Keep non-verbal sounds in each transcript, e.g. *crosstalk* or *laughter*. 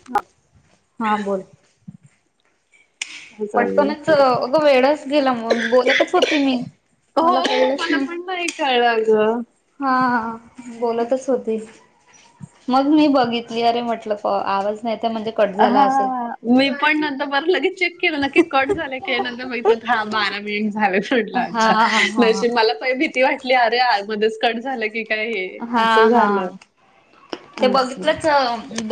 ह. हा बोल. काय चाललंय? पटकनच अगं वेळच गेला मग बोलतच होती मी. हो मला पण नाही कळल अगं. हा बोलतच होती मग मी बघितली अरे म्हटलं- आवाज नाही त्या म्हणजे कट झाला हा असेल. मी पण नंतर बरं लगे चेक केलं ना की कट झालं की नंतर बघितलं तरा बारा मिनिट झाले. हा अच्छा हा हा नशीब मला भीती वाटली अरे आगोदच कट झाल की काय हे हा असं हा झालं. ते असं. बघितलंच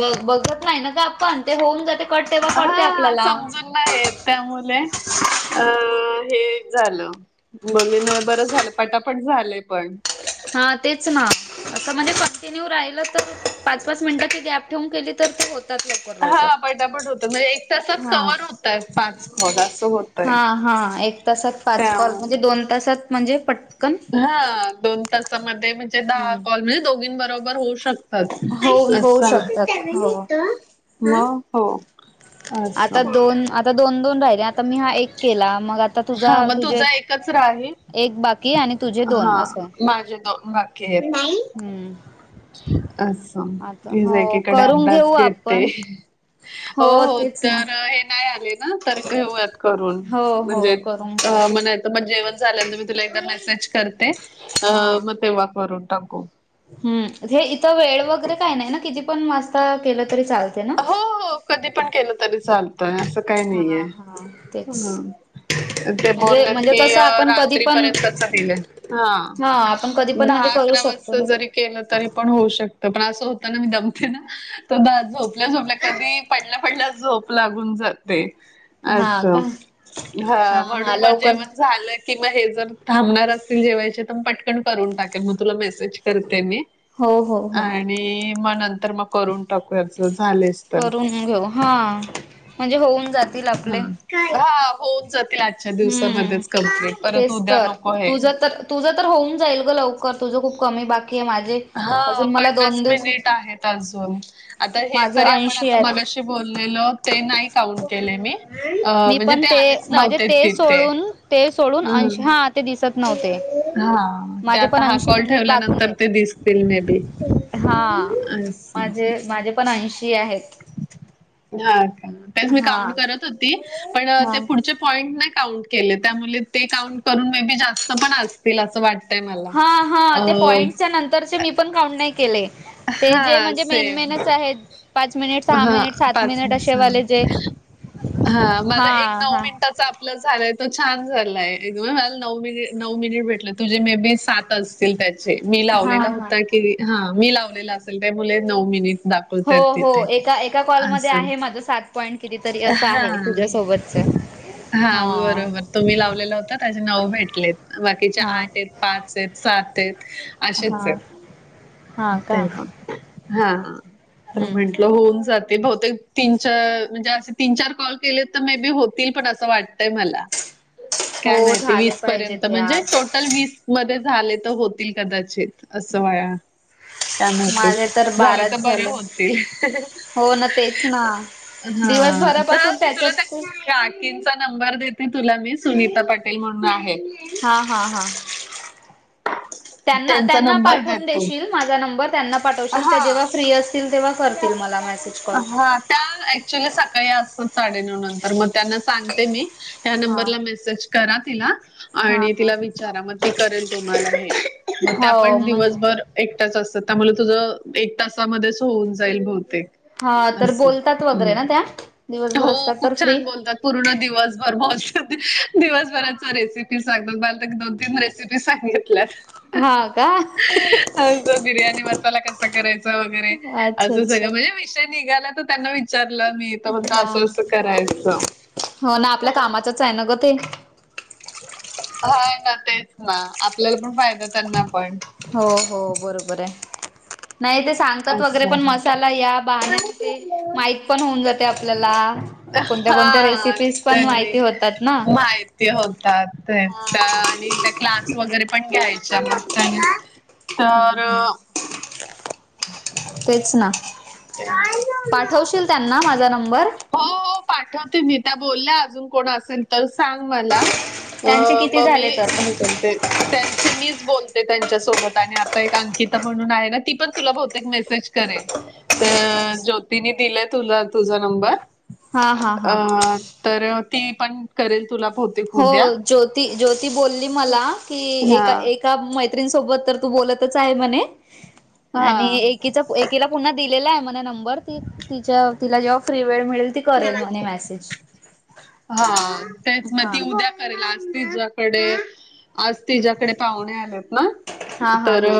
ब बघत नाही ना ग आपण ते होऊन जाते कट तेवा कळते हा आपल्याला. समजून नाही य त्या मुले- अ हेच झालं बोलली ना बरं झालं पटापट झालंय पण, हा तेच ना असं म्हणे कंटिन्यू राहिलं तर पाच पाच मिनिटाची गॅप ठेवून केली- तर ते होतात लवकर हा लवकर पटापट होत म्हणजे, एक तासात हा कवर होतय पाच काॅल अस होत. हा हा एक तासात पाच कॉल म्हणजे दोन तासात म्हणजे पटकन हा दोन तासामध्ये म्हणजे दहा हम्म. कॉल म्हणजे दोघीं बरोबर होऊ श- तात हो अस होऊ शकतात हो. मग हो. आता असं. दोन आता दोन दोन राहिले आता मी हा एक केला मग आता तुझा हा मग तुझे तुझा एकच राहिल. की आणि तुझे दोन अस हम्. दोन बाकी आहेत. असं आता हीज हो एकीकडे करून अभ्यास घेऊ घेते आपण हो तेच ना. तर हे नाही आले ना तर घेवूयात करून हो म्हणजे हो करून अ घेऊ मग नाहीतर मग जेवण झाल्यानंतर मी तुला एकदा मेसेज करते हा. मग तेव्हा करून टाकू. हम्म हे इथं वेळ वगैरे काही नाही ना? किती पण वाजता केल तरी चालते ना? हो हो कधी पण केल तरी चाल- अस काही हा नाहीये हा. तेच ते म्हणजे बोललेत म्हणजे की कसं आपण कधी पण रात्रीपर्यंत हां हा आपण कधी पण दहा म्हणजे करू अकरा शकतो वाजता ना जरी केल तरी पण होऊ शकत पण अस होत ना मी दमते ना. *unintelligible* तर झोपल्या झोपल्या कधी पडल्या पडल्या झोप लागून जाते. आस हा हं का हा हा म्हणून मग लवकर जेवण झाल कि मग हे जर थांबणार असतील जेवायचे तर मग पटकन करून टाकेल मग तुला मेसेज करते मी. हो हो हो. आणि मग नंतर मग करून टाकूया झालेच. तर. करून घेऊ हां म्हणजे होऊन जात ह हा होऊन जातील आजच्या हम्म दिवसामध्येच कंप्लीट परत उद्या नको हे. तुझ तर होऊन जाईल ग लवकर, तुझ खूप कमी बाकी आहे माझे हां अजून मला दोन पन्नास दिवसात मिनिट आहेत अजून आता हे माझं तरी आपण ऐंशी आता आहेत मगाशी बोललेलो ते नाही काउंट केले मी. अ मी म्हणजे पण ते आलेच माझे नव्हते ते तिथे. सोडून ते सोडून ऐंशी हा ते दिसत नव्हते हां ते माझे आता पण हा ऐंशी कॉल मिनिट ठेवल्यानंतर ते दिसतील मेबी. हां माझे माझे पण ऐंशी आहेत. हा तेच मी हा काउंट करत होती, पण ते हा पुढ पॉईंट नाय काउंट केले त्यामुले ते काउंट करून मे बी जास्त पण असतील असं वाट हां हां त्या पॉईंटच्या नंतरचे मी पण काउंट नाही केले. ते जे हां म्हणजे सेम. मेनमेनच आहेत, पाच मिनिट, सहा हां मिनिट, सात मिनिट अशे वाले जे. हा मला एक नऊ मिनिटांचा- झालाय तो छान झालाय मला नऊ मिनिट नऊ मिनिट भेटले तुझे मे बी सातच. त्याचे मी हा लावलेला हा. होता की हा मी लावलेला असेल त्या मुले नऊ मिनिट हो दाखवतायेत हो तिथे. एका एका कॉलमध्ये असं. आहे माझ सात पॉईंट कितीतरी अस आहे हां. तुझ्यासोबतच. हा बरोबर तुम्ही लावलेला होता त्याचे नऊ भेटलेत बाकीचे हा आठ आहेत. पाच आहेत, सात आहेत अशेच हा आहेत. हा का तर हम्म म्हंटल हम्म होऊन जातील. ते बहुतेक तीन च म्हणजे असे तीन चार कॉल केले तर मे बी होतील पण अस वाट *unintelligible* मला काय हो माहिती झाले वीस पर्यंत पाहिजेत म्हणजे यार टोटल वीस मध्ये झाले तर होतील कदाचित अस वाया. काय माहिती माझे तर झाले तर बाराच बरे होतील. हो ना तेच ना हां दिवसभरापासून त्याच्यात तिचा नंबर देते तुला मी सुनीता पाटील म्हणून आहे. हा हा हा त्यांना त्यांचा त्यांना नंबर पाठवून देते. देशील? माझा नंबर त्यांना पाठवशील त्या हा. जेव्हा फ्री असतील, तेव्हा करतील मला मेसेज, कॉल. हां त्या ऍक्च्युली सकाळी असतात साडेनऊ नंतर मग. त्यांना सांगते मी, ह्या हा नंबरला मेसेज करा तिला. हा आणि हा तिला विचारा मग ती करेल तुम्हाला हे, मग त्या हो पण मग दिवसभर एकट्याच असतात, त्यामुळे तुझ एक तासामध्येच होऊन जाईल बहुतेक. हा तर अस बोलतात वगैरे ना त्या दिवसभर हो असतात तर खूप फ्री छान बोलतात. पूर्ण दिवसभर ब *unintelligible* दिवसभराच्या रेसिपी सांगतात मला तर की दोन तीन रेसिपी मी सांगितलंस हा का *unintelligible* अ बिर्याणी मसाला कसा करायचा वगैरे. अच्छा असं अच्छा सगळं म्हणजे विषय निघाला तर त्यांना विचारलं मी म्हणत हा असं असं करायचं. च आहे ना ग ते हा ना तेच ना आपल्याला पण फायदा त्यांना पण हो हो बरोबर आहे नाही ते सांग हातत वगैरे असं. पण मसाला या बहण्या ते माईक पण होऊन जाते आपल्याला. कोणत्या कोणत्या हा रेसिपीज पण माहिती होतात ना. ते होतात ते हा त्या आणि त्या क्लास वगैरे पण घ्यायच्याग त्याना हम्म तर हम्म तेच ना पाठवशील त्यांना माझा नंबर. हो हो पाठवते मी त्या बोलल्या अजून कोण असेल तर सांग मला अ त्यांचे किती ममी झाले तर हे कोणते. त्यांचे मीच बोलते त्यांच्यासोबत आणि आता एक अंकिता म्हणून आहे ना ती पण तुला बहुतेक मेसेज करेल. ते ज्योतीनी दिले तुला तुझा नंबर हा हा हा अ तर ती पण करेल तुला बहुतेक हो उद्या. ज्योती ज्योती बोलली मला की एका हां, एक का मैत्रीणीसोबत तर तू बोलतच आहे म्हणे आणि हां. एकीला पुन्हा दिलेला आहे म नंबर ती तिच्या तिला जेव्हा फ्री वेळ मिळेल त करेल नमस्कार. म्ह मेसेज. हा तेच मग हा ती उद्या आज तिच्यायाकडे आज तिच्यायाकडे पाहुणे आलेत. ना हा हा तर हा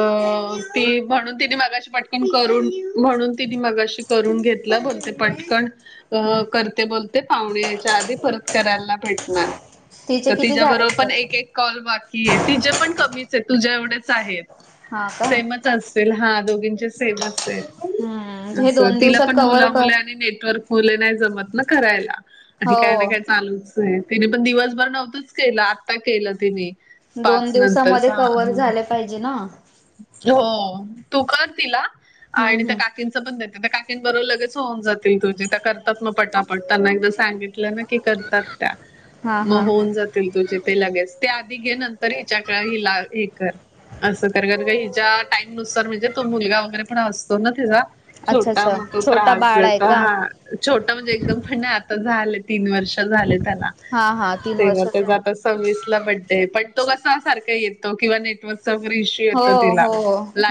ती म्हणून तिने मागाशी पटकन करून म्हणून तिने मगाशी करून घेतला बोलते पटकन. अ हम्म करते बोलते पाहुणे एक त्याच्या आधी परत करायला नाही भेटणार मग तिचे किती तिच्याबरोबर झालेत पण तर एक एक कॉल बाकी त तिचे पण कमीच तुझ्या एवढे आहेत हा का सेमच असेल हा दोघींचे सेमच आहे. हम्म हे असं दोन तिला दिवसात पण कव्हर मुला कर मुले आणि नेटवर्क मुलं नाही जमत ना करायला आणि काही ना हो काय चालूच आहे तिने पण दिवसभर नव्हतंच केलं आत्ता केलं तिने. दोन पाच नंतर दिवसामध्ये सहा कव्हर झाले पाहिजे ना. हो तू कर तिला हम्म आणि त्या हम्म का काकींच पण देते त्या काकीं बरोर लगेच होऊन जातील तुझे त्या करतात मग पटापट त्यांना एकदा सांगितलं ना. करतात त्या हा मग हा हा होऊन जात. तुझे ते लगेच ते आधी घे नंतर हिच्याक हिला हे कर अस. र हिच्या टाईम नुसार म्हणजे तो मुलगा वगैरे पण असतो ना तिचा. अच्छा छोटा अच्छा मग तो छोटा त्रास बाळ आहे जेतो का हा. छोटं म्हणजे एकदम पण नाही आता झालं तीन वर्ष झाले. हा हा तीन ते वर्षाचा जात. सविस ला बड्डे पण तो कसा सारखा येतो किंवा नेटवर्कचा वगैरे इशू. व हो इयत्ता तिला हो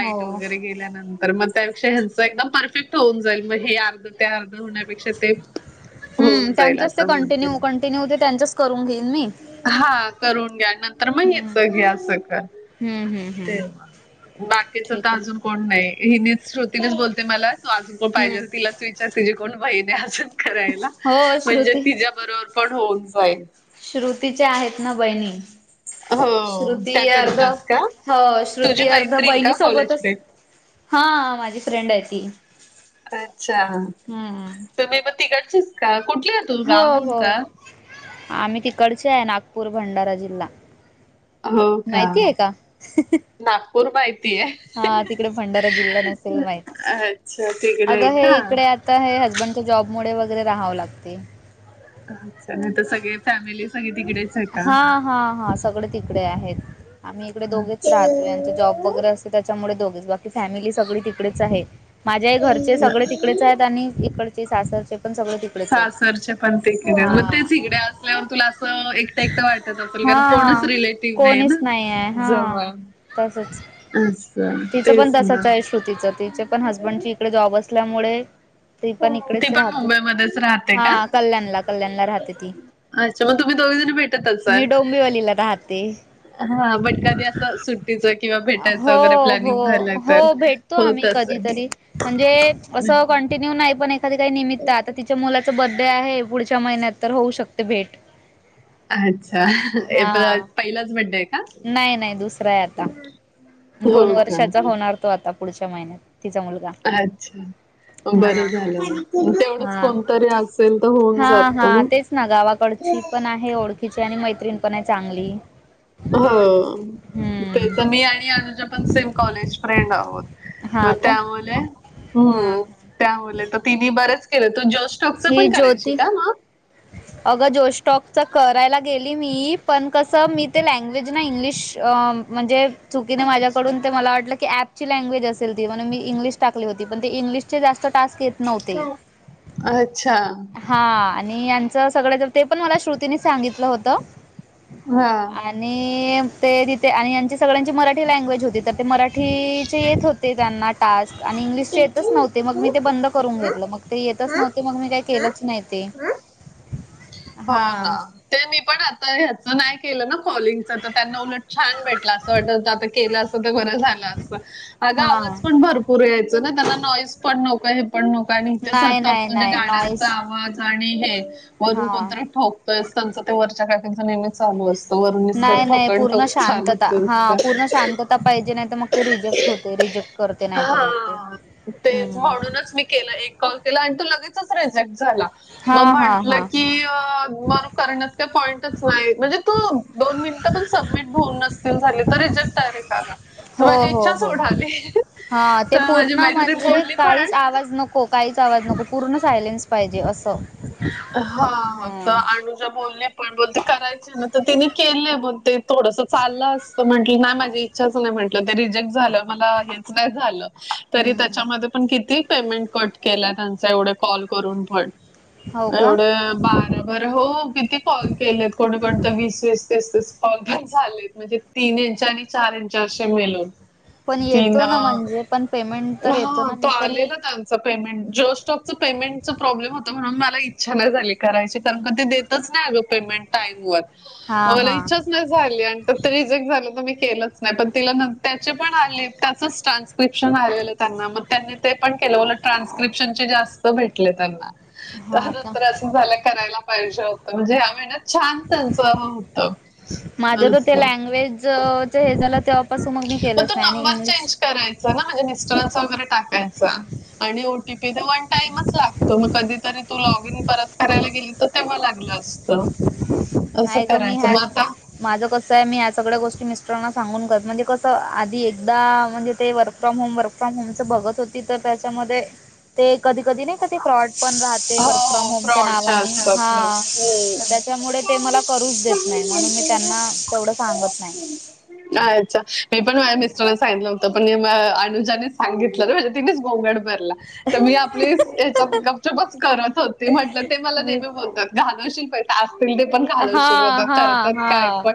हो वगैरे गेल्यानंतर. त्यापेक्षा ह्यांच एकदम परफेक्ट होऊन जाईल मग हे अर्ध ते अर्ध होण्यापेक्षा ते. हम होऊन जाईल त्यांच्याच ते असं म्हणते कंटिन्यू कंटिन्यू ते त्यांच्याच करून घेईन मी. हां करून घ्या नंतर मग हम्म याच घ्या असं करा. हम्म हम्म. ते बाकीच तर ठीक आहे अजून कोण नाही हिनी श्रुतीनेच बोलते मला तू अजून कोण हम्म पाहिजेल तिलाच विचार तुझी कोण बहीण अजून करायला हो म्हणजे श्रुती तिच्या बरोबर पण होऊन जाईल श्रुतीचे आहेत ना बहिणी हो श्रुती त्या अर्ध करतात का हो तुझी श्रुती अर्ध मैत्रीण का बहिणी कॉलेज सोबतच फ्रेंड हां माझी फ्रेंड आहे ती. अच्छा हम्म तुम्ही पण तिकडचेच का? कुठली आहे तू हो गाव हो कोणत? आम्ही तिकडचे आहे नागपूर भंडारा जिल्हा. हो का, माहिती आहे नागपूर माहितीये. हां तिकडे भंडारा जिल्हा नसेल माहित अच्छा तिकडे आहे अगं हे का इकडे आता काय हसबंडच्या जॉबमुळे वगैरे राहावं लागते. अच्छा नाही तर सगळे फॅमिली सहित हां हां हां सगळे तिकडे आहेत. आम्ही इकडे दोघेच राहतो यांच जॉब वगैरे अस ते त्याच्यामुळे दोघेच, बाकी फॅमिली सगळी तिकडेच आहे माझ्याही घरचे सगळे तिकडे च आहेत आणि इकडचे सासर चे पण सगळे ति सासरचे पण तिकडेच मग तेच इकडे असल्यावर तुला अस एक ट एकट वाटत असेल कारण कोणच हा रिलेटिव नाही ना कोणीच आहे हा. जवळ असं तेच ना असच आहे श्रुतीच तिचे पण हसबंड ची इकडे जॉब असल्यामुळे ती पण इकडेच ती पण राहते, मुंबईमध्येच राहते का हां कल्याणला कल्याणला राहते ती. अच्छा मग तुम्ही दोघी जणी भेटत मी असाल? डोंबिवलीला राहते हां बट कधी असं सुट हो हो हो तर भेटतो होत आम्ही असेल कधीतरी म्हणजे अस क कंटिन्यू नाही पण एखादी काही निमित्त आता तिच्या मुलाचा बड्डे आहे पुढच्या महिन्यात तर होऊ शकते भेट. अच्छा हा पहिलाच बड्डे आहे का? नाही नाही दुसरा आहे आता. दोन हो का वर्षाचा होणार तो आता पुढच्या महिन्यात तिचा मुलगा. अच्छा! हा बरं हा झालं, तेवढंच कोणतरी असेल तर होऊ हां हां तेच ना गावाकडची पण आहे ओळखीची आणि मैत्रीण पण आहे चांगली. हो तेच हम्म मी आणि अनुजा पण सेम कॉलेज फ्रेंड आहोत. हा तर का त्यामुळे हा हम्म त्यामुळे तर तिने बरेच केलं तो जोश टॉक च ही पण करायची ज्योती का मग? अगं जोशटॉकच करायला गेली मी पण कसं मी ते लँग्वेज ना इंग्लिश अम म्हणजे चुकीने माझ्याकडून ते मला वाटलं की, ऍप ची लँग्वेज असेल ती. म्हणून मी इंग्लिश टाकली होती, पण ते इंग्लिशचे जास्त टास्क येत नव्हते काय? अच्छा. हां, आणि यांचं सगळं तर ते पण मला श्रुतीने सांगितलं होतं. हा आ णि ते तिथे आणि यांची सगळ्यांची मराठी लँग्वेज होती, तर ते मरा ठीचे येत होते त्यांना टास्क आणि इंग्लिशचे येतच टीचर नव्हते. मग तू मी ते बंद करून घेतलं, मग ते येतच हा नव्हते. मग मी काही केलंच नाही ते. हा हो ना. हां ते मी *inaudible* पण आता ह्याच नाही केलं ना कॉलिंगचं. तर त्यांना उलट छान भेटलं असं वाटत होतं, आता केलं असतं तर बरं झालं अस अगं हां आवाज पण भरपूर यायचा ना, त्यांना नॉइस पण नको आहे. पण नको आहे. आणि इथे नाही सतत नाही म्हणजे नाही गाड्यांचा नॉईस आवाज आणि हे, हा वरून कोण तरी ठोक तोय, त्यांंचं ते वरच्या काकींच नेहमीच चालू असतं. वरून नाही, नुसतं नाही ठोकण पूर्ण ठोक शांतता, चालूच हा असतं. पूर्ण शांतता पाहिजे. नाही तर मग ते रिजेक्ट होतय रिजेक्ट. करते नाही तर मग ते हा तेच, हम्म म्हणूनच मी केलं एक काॅल केला, आणि तो लगेचच रिजेक्ट झाला. हा मग हा म्हटलं हा की, *unintelligible* करण्यात का पॉईंटच नाही, म्हणजे तू दोन मिनटं पण सबमिट होऊन नस कॉल झाले, तर रिजेक्ट डायरेक्ट काढा. हो. हो. हो. हा, ते तर माझी पूर्ण मैत्रीण म्हणजे बोलली पण काहीच आवाज नको. काहीच आवाज नको, पूर्ण सायलेन्स पाहिजे असं. हा, तर अनुजा बोलल्या पण बोलते करायचे ना, तर तिने केलेय बोलते थोडस चाललं असतं. म्हंटलं नाही माझी इच्छाच नाही म्हटलं, ते रिजेक्ट झालं मला हेच नाही झालं. तरी हम्म त्याच्यामध्ये पण किती पेमेंट कट केला त्यांचा? एवढे कॉल करून पण हो का एवढ बा ब बर हो किती कॉल केलेत, कोणी कोणीतरी वीस- वीस, तीस-तीस कॉल पण झालेत म्हणजे तीन इंच आणि चार इंच असे मिलून. ‌ पण येतो ना म्हणजे, पण पेमेंट तर येतो हां, ना? तो मी तर हे आलेला त्यांचं पेमेंट जिओ स्टॉकच पेमेंट प्रॉब्लेम होत, म्हणून मला इच्छा नाही झाली करायची. कारण का ते देत च नाही पमेंट टाइम वर, हा मग मला हा इच्छाच नाही झालीं. आणि तर ते रिजेक्ट झाल तर मी केलंच नाही, पण तिला त्याचे पण आले त्याच ट्रान्स्क्रिप्शन आलेल त्यांना, मग त्यांनी ते पण केल. उलट ट्रान्क्रिप्शनचे जास्त भेटले त्यांना. त्या हा का नंतर असं झालं करायला पाहिजे होतं, म्हणजे ह्या महिन्यात छान त्यांच होत. माझं तर ते लँग्वेजच हे झालं, तेव्हा पासून मग मी केलंच नाही. आणि इंग्लिश मिस्टर असं यवगैरे टाकायचं. आणि ओ टी पी तर वन टाइमच लागतो, मग कधीतरी तू लॉग इन परत करायला गेली तर तेव्हा लागला असतो. नाही गं, मी ह्याच माझं कसं आहे, मी या सगळ्या गोष्टी मिस्टरांना सांगून करते. म्हणजे कसं, आधी एकदा म्हणजे ते वर्क फ्रॉम होम वर्क पण, यांचं बघत होती तर त्याच्यामध्ये ते कधी-कधी नाही का कधी फ्रॉड पण राहते, हो वर्क फ्रॉम हो होमच्या फ्रॉडच्या नावाने. असतात हो. हा हम्म. तर त्याच्यामुळे ते मला त्यामुळे- करूच देत त्यामुळे नाही, म्हणून मी म्हटलं त्यांना तेवढं सांगत नाही. अच्छा, मी पण माझ्या मिस्टरांना सांगितलं तो पण अनुजाने सांगितलं, म्हणजे तिनेच गोंगाट भरला. तर मी आपली तेच्यात गपचूपच करतं होते. म्हटलं ते मला मी नेहमी बोलतात घालवशील पैसे असतील ते पण घालवशील हा म्हणतात, हा करत्यात काय हा पण?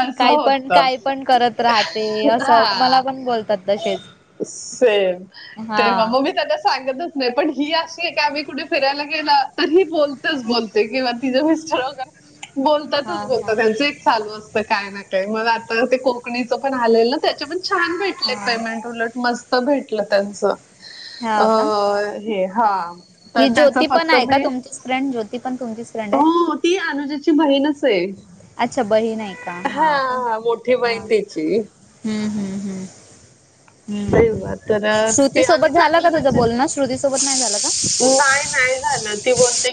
असं काही पण होतं. काही पण करत राहते असं, मला पण बोलतात तसेच. सेम. हा तेव्हा, म-मी हा त्याना सांगतच नाही. पण ही अशी आहे का, आम्ही कुठे फिरायला गेलं, तर ही बोलतेच बोलते किंवा तिचे मिस्टर वगैरे बोलतातच हा बोलतात त्यांचं एक चालू असतं काय नाही मग आता ते कोकणीचं पण आलेल, त्याचे पण छान भेटले हा पेमेंट उलट मस्त. भेटलं त्यांचं हा का अ- हे हा तर ही त्याचं ज्योती पण फक्त आहे का मी तुमचीच फ्रेंड ज्योती पण तुमचीच फ्रेंड आहे. हो ती अनुजाची बहीणच आहे. अच्छा बहीण आहे. का हा का हां मोठी हा बहीण तेंची हम्म हम्म हम्म. ते हम्म तर श्रुती ते आम्ही सोबत झालं चांगले का तुझं भाजे बोलणं श्रुती सोबत नाही झालं का *unintelligible* नाही नाही झालं ती बोलते